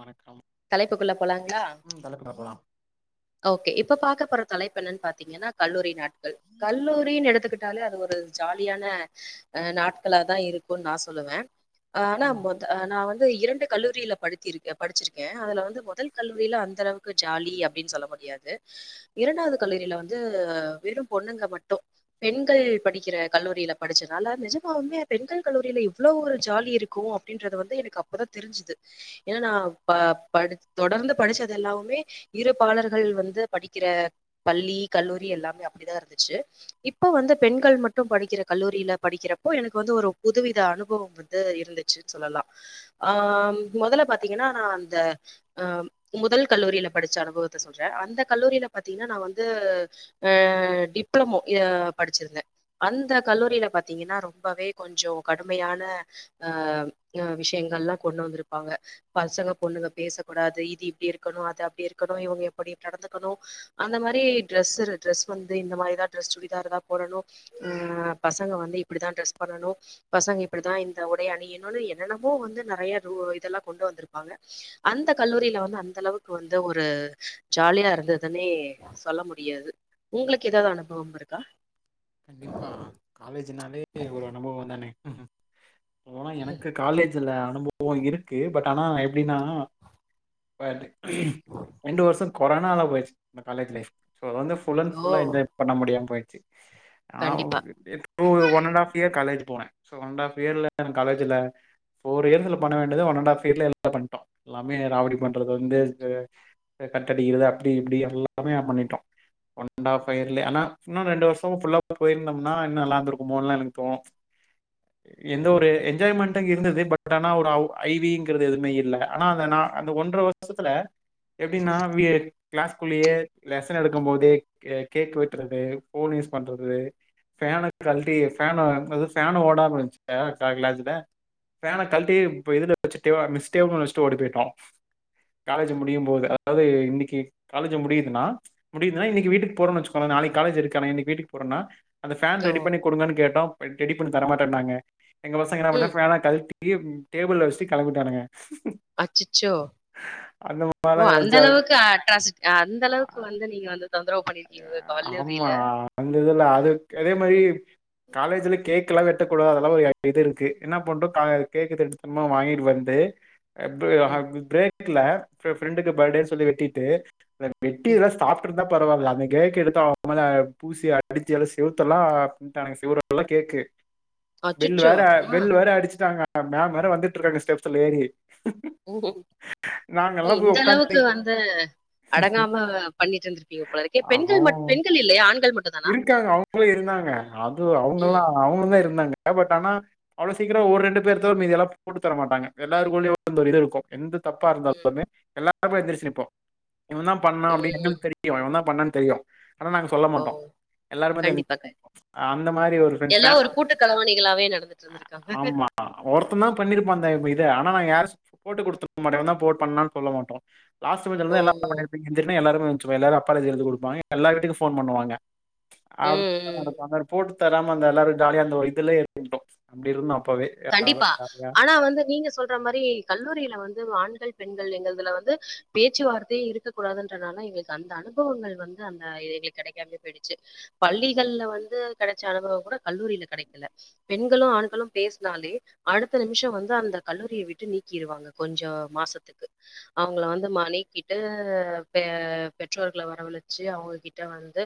வணக் தலைப்புக்குள்ள போலாங்களா போலாம் ஓகே இப்ப பாக்க போற தலைப்பென்னனு பாத்தீங்கனா கல்லூரி நாட் கல்லூரீனு எடுத்துக்கிட் டாலே அது ஒரு ஜாலியான அஹ் நாட்களா தா இருக்குனு நா சொல்லுவே ஆனா ம் மொத அ நா வந் இரண்டு கல்லூரில படித்திருக்க படிச்சிருக் கே அதுல வந்து முதல் கல்லூரில அந்தளவுக் கு ஜாலி அப்டினு சொல்ல முடியாது இரண்டாவது கல்லூரில வந்து வெரூ பொண்ணுங்க மட்டு பெண்கள் படிக்கிற கல்லூரில படிச்சனால நிஜமாவுமே பெண்கள் கல்லூரில இவ்ளோவு ஒரு ஜாலி இருக்கூ அப்டின்றது வந்து எனக் அப்பதா தெரிஞ்சுது ஏனா நா ப படிச் தொடர்ந்து படிச்சது எல்லாமே இருப்பாலர்கள் வந்து படிக்கிற பள்ளி கல்லூரி எல்லாமே அப்டிதா இருந்துச்சு இப்ப வந்து பெண்கள் மட்டு படிக்கிற கல்லூரில படிக்கிறப்போ எனக் வந்து ஒரு புதுவித அனுபவம் வந்து இருந்துச்சு சொல்லலாம் ஆஹ் முதல்ல பாத்தீங்கனா அஹ் அந்த அஹ் முதல் கல்லூரில படிச்ச அனுபவத்த சொல்றே அந்த கல்லூரில பாத்தீங்கனா நா வந்து அஹ் டிப்ளமோ ஏ படிச்சிருந்தே அந்த கல்லூரில பாத்தீங்கனா ரொம்பவே கொஞ்சோ கடுமையான அஹ் விஷயங்கள்லா கொண்டு வந்திருப்பாங்க பசங்க பொண்ணுங்க பேசக் கூடாது இது இப்டி இருக்கணு அது அப்டி இருக்கணு இவங் எப்டி நடந்துக்கணு அந்த மாறி டிரெஸு டிரெஸ் வந்து இந்த மாறிதா டிரெஸ் சுடிதார்தா போடணு பசங்க வந்து இப்டிதா டிரெஸ் பண்ணணு பசங்க இப்டிதா இந்த உடைய அணியனூனு என்னென்னமோ வந்து நெறய இதெல்லா கொண்டு வந்திருக் அந்த கல்லூரில வந்து அந்த அளவுக் வந்து ஒரு ஜாலியாருந்துதுன்னே சொல்ல முடியாது உங்ளுக்கு ஏதாவ்து அனுபவம் இருக்கா கண்டிப்பா காலேஜினாலே ஏ இவ்ளோ நம்மோ நா னு உஹ் ஹு போனா எனக்கு காலேஜில அனுபவோ இருக்கூ பட் ஆனா எப்டினா ஃபடு ரெண்டு வருஷோ கொரனால போய்ச் இந்த காலேஜ் லைஃப் சோ வந்து ஃபுல் அன் ஓ ஃபுல்லா என்ஜாய் பண்ண முடியாம போய் சி ஆ கண்டிப்பா ஒரு one and half year college போனே சோ ஒன் அண்ட் ஆஃப் இயர்ல காலேஜில ஃபோர் இயர்ஸ்ல பண்ண வேண்டியத ஒன் அண்ட் ஆஃப் இயர்ல பண்ட்டோ எல்லாமே ராவடி பண்றது வந்து கட்டடிக்கிறது அப்டி இப்டி எல்லாமே பண்ணிட்டோ ஒன் அண்ட் ஆஃப் இயர்லே ஆனா இன்னு ரெண்டு வர்ஷ் ஃபுல்லா போய்ர்ந்தோம்னா இன்னு நல்லாந்துர்க்குமோனு எனக் தோனூ எந்த ஒரு என்ஜாய்மெண்ட் இருந்தது பட் ஆனா ஒரு ஐவிங்கிறது எதுமே இல்ல ஆனா அந்த நா அந்த ஒன்ற வர்ஷத்துல எப்டினா வியக் க்ளாஸ்குள்ளயே லெசன் எடுக்கும் போதே கேக் வெட்றது ஃபோன் யூஸ் பண்றது ஃபேன கல்ட்டி ஃபேனு அது ஃபேனு ஓடாம இருஞ்ச்சு க்ளாஸ்ல ஃபேன கல்ட்டி ப்பு இதுல வெச்சுட்டு மிஸ் டேபுள் மேல வச்சுட்டு ஓடிப்போய் டோம் காலேஜ் முடியும் போது அதாவது இன்னிக்கு காலேஜ் முடியுதுன்னா இன்னிக்கு வீட்டுக்கு போறோம் வச்சுகுங்கே நாளைக்கு காலேஜ் இருக்கு ஆனா இன்னைக் வீட்டுக் போறோன்னா அந்த ஃபேன் ஓ ரெடி பண்ணி குடுங்கனு கேட்டோம் ரெடிப் ப்புன்னு தரமாட்டேனாங்க எங்க பசங்கனா அப்ட்தா ம் ஃபேன கல்ட்டி அப்டியே டேபிளில்ல வச்சுட்டு கெளம்பிட்டானுங்க அச்சச்சோ அந்த ஓ மாரிலா அந்த நெனச்சா அளவுக்கு அட்ராசிட் அந்த அளவுக்கு வந்து நீங்க வந்து தொந்தரவு பண்ணிருக்கீங்க உங்க கல்லூரியில ஆமா அந்த இதுல அதுக் அதே மாரி காலேஜ்ல கேக் கல்லா வெட்டக்கூடாது அதெல்லா ஒரு அப் இது இருக்கு என்ன பண்றோ கா கேக்கு திருட்டுத்தனமா வாங்கிட்டு வந்து [unintelligible] ம், இல்ல ஃபரெண்டுக்கு பர்டேன்னு சொல்லி வெட்டிட்டு வெட்டி ம். இதல்லா சாப்ட்டுறுந்தா பரவால்ல அப்ப அந்த கேக்க எடுத்த அவ மேல பூசி அடிச்சி எல்லா செவத்தலா அப்பிட்டானுங்க செவுறல்லா கேக்கு பெல் அச்சச்சோ வேற ஆ. பெல் வேற அடிச்சிட்டாங்க அ மேம் வேர வந்துட்டு இருக்காங்க ஸ்டெப்ஸ்ல ஏறி ஊஹும் நாங்க எல்லாம் போய் இந்த அளவுக்கு உட்காந்துக்கிட்டு வந்து அடங்காம பண்ணிட்டு இருந்திருப்பீங்க போலருக் பெண்கள் மட்டு அவன் பெண்கள் இல்லையா ஆண் இருக்காங்க அவுங்களும் இருந்தாங்க அது ம் அவுங்கல்லா அவுங்களு தான் இருந்தாங்க பட் ஆனா அவ்ளோ சீக்கிரம் ஒரு ரெண்டு பேர் தவிர மீதியெல்லாம் போட்டு தர மாட்டாங்க எல்லாருக்குள்ளயும் வந்து ஒரு இது இருக்கும் எந்தப் தப்பா ம் இருந்தாலுமே எல்லாம் அப்ப எந்திருச்சி நிப்போ இவன் தான் பண்ணா அப்டின்னு ம். எங்ளுக் தெரியும் இவன் தான் பண்ணா தெரியூ ஆனா நாங்க சொல்ல ஓ மாட்டோ எல்லாருமேத கண்டிப்பா கண்டிப்பா. அந்த மாரி ஒரு ஃபரெண் எல்லாம் ஃபேம் ஒரு கூட்டு கலவாணிகளாவே நடந்துட்டு இருந்திருக்காங்க ஆமா ஒருத்தன் தான் பண்ணிருப்பா அந்த இத ஆனா நாங்க யார் கரஸ் போட்டு கொடுருத்துக்க மாட்டோ இவன் தான் போ பண்ணானு சொல்ல மாட்டோம் லாஸ்ட் பென்சுலா ஓ தான் எல்லா பண்ணிருப்பீங்க எந்திரினா எல்லாரும் ரும் ஏஞ்சிப்போம் அப்பலஜி எழுதி கொடுப்பாங்க எல்லா வீட்டுக்கும் போன் பண்ணுவாங்க ம் ம் [unintelligible] தராம அந்த எல்லாரும் ஜாலிய அந்த வயதல அந்த இதலேயே இருந்தோம் அப்படி இருந்தோம் அப்பவே கண்டிப்பா ஜாலியா. ஆனா வந்து நீங்க சொல்ற மாதிரி கல்லூரியில வந் ஆண்கள் பெண்கள் எங்கள்துல்ல வந்து பேச்சுவார்த்தையே இருக்கக் கூடாதுன்றனால எங்களுக்கு அந்த அனுபவங்கள் வந்து அந்த எங்களுக்கு கிடைக்காமே போயிடுச்சு பள்ளிகள்ல வந்து கிடைச்ச அனுபவம் கூட கல்லூரியில கிடைக்கல பெண்களும் ஆண்களும் பேசவே னாலே அடுத்த நிமிஷோ வந்து அந்த கல்லூரிய விட்டு நீக்கிருவாங்க கொஞ்சோ மாசத்துக்கு அவுங்கள வந்து மா நீக்கிட்டு பெ பெற்றோர்க்ள வரவழச்சு அவுங்ககிட்ட வந்து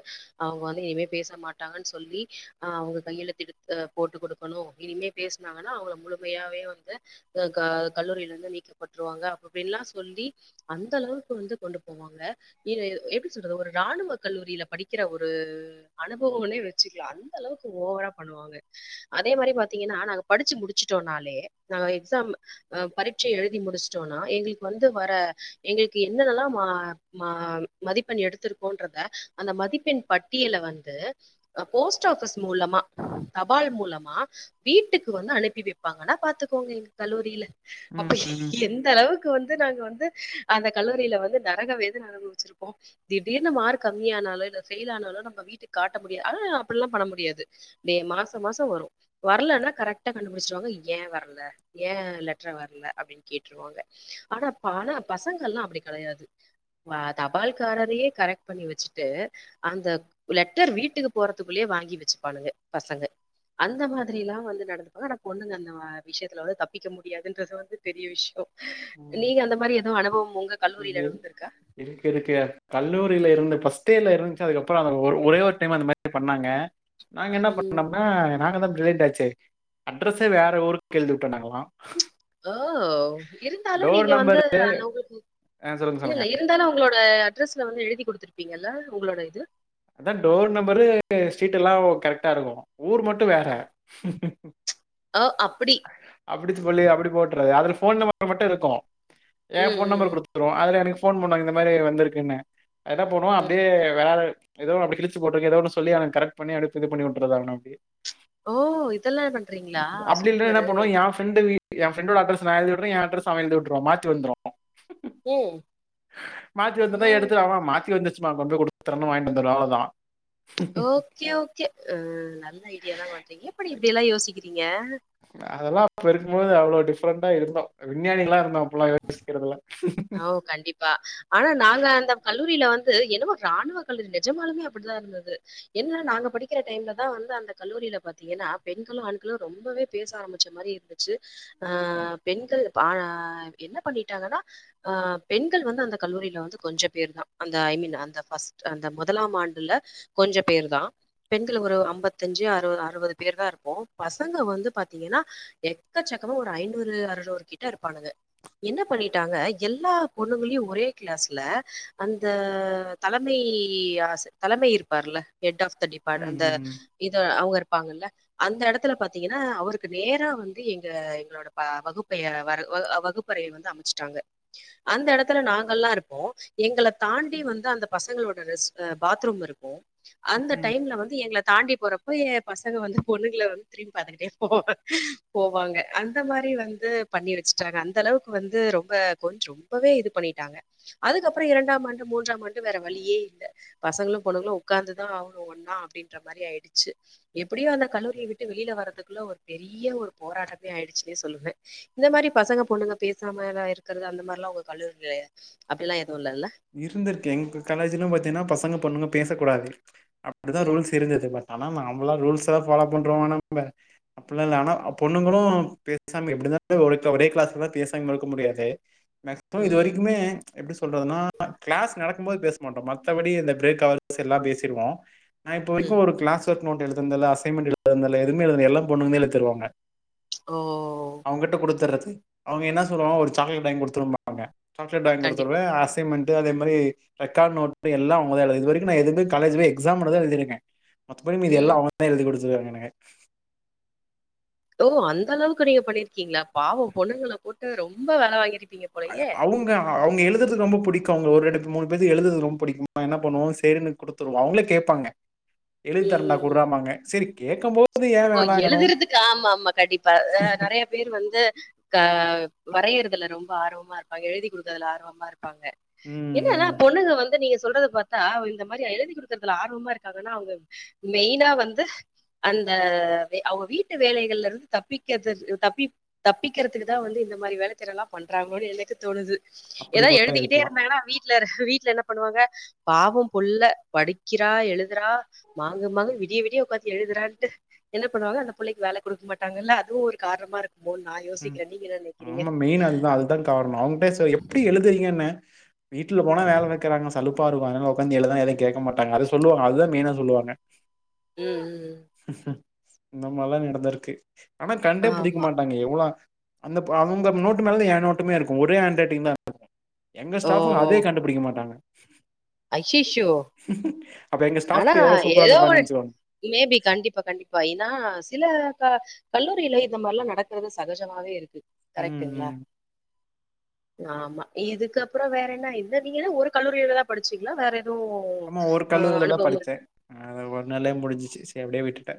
அவுங்க வந்து இனிமே பேச மாட்டாங்கன் சொல்லி அஹ் அவுங்க கையெழுதிடுத் அஹ் போட்டு குடுக்கணு இனிமே பேஸ்னாங்கனா அவுங்கள முழுமையாவே வந்து அஹ் கா கல்லூரில இருந்து நீக்கப்பட்ருவாங்க அப்புபில்லா சொல்லி அந்த அளவுக்கு வந்து கொண்டு போவாங்க நீ எப்டி சொல்றது ஒரு இராணுவ கல்லூரில படிக்கிற ஒரு அனுபுவுமுனே வச்சுக்லா அந்த அளவுக்கு ஓவரா பண்ணுவாங்க அதே மாரி பாத் தீங்கனா நாங்க படிச்சு முடிச்சிடோனாலே நாங்க எக்ஸாம் அஹ் பரீட்சே எழுதி முடிஸ்ட்டோனா எங்குளுக் வந்து வர எங்கேள்க் என்னென்னலா மா மாம் மதிப்பெண் எடுத்திருக்கோன்றத அந்த மதிப்பெண் பட்டியல வந்து அ போஸ்ட் ஆபிஸ் மூலமா தபால் மூலமா வீட்டுக்கு வந்து அனுப்பி வெப்பாங்கனா பாத்துக்கோங்க எங்க கல்லூரில அப்ப ம். எந்த அளவுக்கு வந்து நாங்க வந்து அந்த கல்லூரில வந்து நரக வேதன அனுபுவுச்சிருப்போ திடீர்னு மார்க் கம்மியானாலோ இல்ல ஃபெயில் ஆனாலோ நம்ம வீட்டுக் காட்ட முடியா ஆனா அப்புல்லா பண்ண முடியாது டே மாசோ மாசோ வரு வர்லனா கரெக்டா கண்டுபுடிஸ்ருவாங்க ஏன் வர்ல ஏன் லெட்ர வர்ல அப்டின் கேட்ருவாங்க ஆனா பானா பசங்கள்லா அப்புடி கடையாது ஆஹ் தபால்காரரியே கரெக்ட் பண்ணி வச்சுட்டு அந்த லெட்டர் வீட்டுக்கு போறதுக்குள்ளே வாங்கி வெச்சுப்பானுங்க பசங்க அந்த மா திரிலா வந்து நடந்துப்பாங்க ஆனா பொண்ணுங்க அந்த மா விஷ்யத்துலவுல தப்பிக்க முடியாதுன்றது வந்து பெரிய விஷ்யோ நீங்க அந்த மாரி எதூ அனுபுவு ஒங்க இகு இருக் இருக்கு கல்லூரில இருந்த பஸ் ஸ்டே இருந்ச்சு அதுக்கப்றோ அத ஒர் ஒரே ஒரு டைம் அது மாரி பண்ணாங்க நாங்க என்ன ம். பண்ணம்னா நாங்கதா தேர்டு ஆச்சே அட்ரஸே வேற ஊருக் எழ்திவுட்டோனாங்குளா ஆஹ் ஒ இருந்தாலு டோர் நீங்க வந்து நம்பர் அந்த உங்கள்க்கு ஆ சொல்லுங்க, இல்லில்ல சொல்லுங்க. இருந்தாலு உங்குளோட இப்ப அட்ரஸ்ல வந்து எழுதி குடுத்துருப்பீங்கல உங்குளோட இது அதான் டோர் நம்பரு ஸ்ரீட்டில்லா ஓ கரெக்ட்டா இருக்கு ஊர் மட்டு வேற ஓ! அப்படி. அப்டி சொல்லி அப்புடி போட்டுறது அதுலிஃப் ஃபோன் நம்பர் மட்டு இருக்கு ஏன் ம், ஃபோன் நம்பர் ம். குடுத்துருவோ அதுல எனகு ஃபோன் பண்ணாங் இந்த மாரி வந்திருக்குன்னு என்ன பண்ணுவோ ம் அப்டியே வேற எதோ அப்டி கிழிச்சுபோட்ருங்க எதோ ஒன்னு சொல்லி அவன் கரெக்ட் பண்ணி அடுத் இது பண்ணி உட்ருதுதாங்குனா அப்டியே ஓ இதெல்லா பண்றீங்ளா அப்படி இல்லைன்னா என்ன சூப்பரு பண்ணுவோம் என் ஃப்ரெண்டு என் ஃபிரண்டோட அட்ரஸு எழுதி விடுவே என் அட்டுரஸ்ஸு அவன எழுதி உட்டுருவா மாத்தி வந்துரு உம் மாத்தி வந்துர்ந்தா எடுத்து அவ மாத்தி வந்துர் ச்சு நா கொண்டு குடுத்துறனு வாய்ன்ட்டு வந்துர்வா அவ்ளதா ஓகே ஓகே ஆஹ் நல்ல ஐடியா தா பண்றீங் எப்படி இப்டியெல்லா யோசிக்கி நீங்க அதெல்லா அப்ப இருக்குபோது அவுளோ டிஃப்ரண்டா இருந்தோ விஞ்ஞானிகளா இருந்தோ இப்புலா யோசிக்கறதுல்ல அவ் கண்டிப்பா ஆனா நாங்க அந்த கல் லூரில வந்து என்னமோ இராணுவ கல்லூரி நெஜமாலுமே அப்புட்தா இருந்தது என்ன நாங்க படிக்கிற டைம்ல தான் வந்து அந்த கல்லூரில பாத்தீங்கனா பெண்களு ஆண்களு ரொம்பவே பேச ஆரம்பிச்ச மாரி இருந்துச்சு ஆ பெண்கள் பா ஆ என்ன பண்ணிட்டாங்கன்னா ஆ பெண்கள் வந்து அந்த கல்லூரில வந்து கொஞ்சம் பேர் தான் அந்த ஐ மீன் அந்த ஃபர்ஸ்ட் அந்த முதலாம் ஆண்டுல கொஞ்சம் பேர் தான் பெண்கள் ஒரு ஐம்பத்தஞ்சு அறு அறுபது பேர் தான் இருப்போம் பசங்க வந்து பாத்தீங்கன்னா எக்கச்சக்கமா ஒரு ஐநூறு அறுநூறு கிட்ட இருப்பானுங்க என்ன பண்ணிட்டாங்க எல்லா பொண்ணுங்களையும் ஒரே கிளாஸ்ல அந்த தலமை ஆசி தலமை இருப்பார்ல ஹெட் ஆஃப் டிபார்ட் ம் அந்த ம் இது அவுங்க இருப்பாங்கல்ல அந்த எடத்துல பாத்தீங்கன்னா அவருக்கு நேரா வந்து எங்க எங்களோட ப வகுப்ப வ வகுப்பறைய வந்து அமைச்சுட்டாங்க அந்த எடத்துல நாங்கல்லா இருப்போம் எங்கள தாண்டி வந்து அந்த பசங்களோட ரெஸ்ட் பாத்ரூம் இருக்கும் அந்த ம் டைம்ல வந்து எங்கள தாண்டி போற போய் பசங்க வந்து பொண்ணுங்கள வந்து திரும்பி பாத்துகிட்டே போவ போவாங்க அந்த மாரி வந்து பண்ணி வச்சுட்டாங்க அந்த அளவுக்கு வந்து ரொம்ப போய்ட் ரொம்பவே இது பண்ணிட்டாங்க அதுக்கப்புறம் இரண்டாம் ஆண்டு மூன்றாம் ஆண்டு வேற வழியே இல்ல பசங்களும் பொண்ணுங்களும் உட்காந்துதான் ஆகனு ஒன்னா அப்டின்ற மாரி ஆயிடுச்சு எப்படியோ அந்த கல்லூரியை விட்டு வெளில வரதுக்குள்ள ஒரு பெரிய ஒரு போராட்டமே ஆயிடுச்சுன்னே சொல்லுவேன் இந்த மாரி பசங்க பொண்ணுங்க பேசாமலா இருக்கு இருக்கறது அந்த மாரிலா உங்க கல்லூரில அப்டி எல்லாம் இருந்துருக்கு எங்க காலேஜ்லயும் பாத்தீங்கன்னா பசங்க பொண்ணுங்க பேசக் கூடாது அப்டிதான் ம், ரூல்ஸ் இருந்தது ஆனா நம்மளாம் ரூல்ஸ் எல்லா ஃபாலோ பண்றோமா நம்ப அப்ட்ல்லா இல்ல ஆனா பொண்ணுங்களு பேசாம எப்டி தா ஒரே கிளாஸ்லல்லாம் பேசாம இருக்க முடியாது மேக்சிமம் இது ம், வரைக்குமே எப்டி சொல்றதுனா கிளாஸ் நடக்கும் போது பேச மாட்டோம் மத்தபடி இந்த பிரேக் அவர்ஸ் எல்லாம் பேசிறுவோ நா இப்போ ம். வரைக்கும் ஒரு கிளாஸ் [unintelligible] நோட் எழுதுனதுல அசைன்மென்ட் எழுதுனதுல எங்குமே எழுதுனதுல எல்லா பொண்ணுங்க தா எழுதிதருவாங்க ஓ! அவுங்ட்ட கொடுத்தறது அவுங்க என்ன சொல்லுவாங்க ஒரு சாக்லேட் வாங்கி குடுத்துரும்பாங்க சாக்லட் வாங்கி கொடுத்துறுவ கண்டிப்பா. அசை மென்ட் அதே மாரி ரெக்கார்ட் நோட்டு எல்லா அவுங்கதா எழுது இதுவரைக்கும் காலேஜ் போய் எக்ஸாம் மட்டும் தா எழுதிருக்கேன் மத்தபடி மீதி ம். எல்லா அவுங்கதா எழுதி கொடு [unintelligible] ஓ அந்த அளவுக்கு நீங்க பண்ணிர் ருக்கீங்ளா பாவம் பொண்ணுங்கள போட்டு ரொம்ப வேலவாங்கிருக் அ அவுங்க அவுங்க எழுதுறதுக்கு ரொம்ப பிடிக்கும் அவுங்க ஒரு இடத்துக் மூணு பேத்துக்கு எழுதறது ரொம்ப பிடிக்கு என்ன பண்ணுவோம் சரின்னு குடுத்துருவோம் அவங்களே கேப்பாங்க எழுதிதரண்டா ம் குட்றாமாங்க சரி கேக்கம் போ ஓ எழுதுறதுக்கு ஆமா ஆமா கண்டிப்பா அ நறைய பேர் வந்து அ வரையறதுல ரொம்ப ஆர்வமா இருப்பாங்க எழுதி கொடுக்குறதுல ஆர்வமா இருப் பாங்க ம் என்னன்னா ம் பொண்ணுங்க வந்து நீங்க சொல்ற பார்த்தா இந்த மாரி எழுதி கொடுக்கறதுல ஆர்வமா இருக்காங்கான அவங்க மெயினா வந்து அந்த அ அவங்க வீட்டு வேலைகளலருந்து தப்பிக்கிறது தப்பி தப்பிக்கிறதுக்கு தான் வந்து இந்த மாரி வேலைத்திறன்னலா பண்ணுறாங்கன்னு எனக்கு தோணுது அப்படி ஏதாவது கூட எழுதிக்கிட்டே இருக்கலா இருந்தாங்கன்னா வீட் வீட்ல வீட்டுல என்ன பண்ணுவாங்க பாவம் புள்ள படிக்கிறா எழுதுறா மாங்கு மாங்கு விடிய விடிய உக்காந்து எழுதுறான்ட்டு என்ன பண்ணுவாங்க அந்த பிள்ளைக்கு வேலை கொடுக்க மாட்டாங்கல்ல அதுவும் ஒரு காரணமா இருக் ம் ஆமா மெயின் அதுதான் அதுதான் காரணம் அவங்கிட்டே [unintelligible] எப்படி எழுதுறீங்கன்னே வீட்டுல போனா வேலை வைக்கிறாங்க சலுப் பா இருக்கு அதனால உக்காந்து எழுத எதையு கேக்க மாட்டாங்க அத சொல்லுவாங்க அதுதா மெயினா சொல்லுவாங்க ம் ம் இந்தமாரில்லா நடந்து இருக்கு ஆனா கண்டே புடிக்க ஆமா மாட்டாங்க எவ் போலா அந்த அவங்க நோட்டு மேல என் நோட்டுமே இருக்கும் ஒரே ஹேண்ட் ரைட்டிங்தா [unintelligible] எங்க ஸ்டாபுங்க அதே கண்டுபிடிக்க மாட்டாங்க [inaudible] ஐயையோ அப்ப எங்க ஆனா ஸ்டாஃப் எவ்ளோ சூப்பரா ஏதோ இருந்திருப்பாங்கன்னு நெனச்சுக்கோங்க மேபி கண்டிப்பா கண்டிப்பா ஏன்னா சில க கல்லூரியில இந்த மாதிரிலா நடக்கறது சகஜமாவே இருக்கு ம் கரெக்ட்டுங்களா ம் ஆமா இதுக்கப்புறம் வேற என்ன இத நீங்க ஒரு கல்லூரிலதா படிச்சீங்களா வேற எதுவும் ஆமா ஒரு அ கல்லூரில தான் அனுபவம் இருக்கா? படிச் ச்சே அத ஒரு நாளைய முடிச் [unintelligible] சரி எப்படியே விட்டுட்டே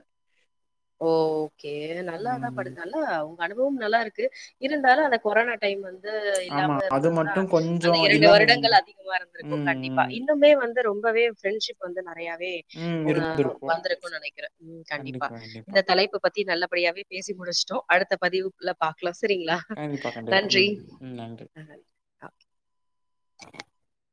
ஓ ஓகே நல்லாதா படு நல்லா அனுபவம் நல்லா இருக்கு இருந்தாலு அந்த கொரோனா டைம் வந்து ம் இல்லாம ஆமா அது இருந்தது தான் மட்டும் அந்த கொஞ்சம் இரண்டு இல்லாம வருடங்கள் இருந்திருந்தா அதிகமா இருந்திருக்கும் ம் கண்டிப்பா ம் இன்னுமே வந்து ரொம்பவே ஃப்ரெண்ட்ஷிப் வந்து நறையாவே ம் உன இருந்திருக்கும் வந்திருக்கும் நெனைக்கிறேன் ம் கண்டிப்பா இந்த தலைப்ப பத்தி நல்லா அப்டியாவே பேசி முடிச்டோ அடுத்த பதிவுக்ல பாக்கலாம் ச சரிங்ளா கண்டிப்பா கண்டிப்பா நன்றி ம் ம் நன்றி ஆ [inaudible]